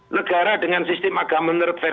negara dengan sistem agama menurut mereka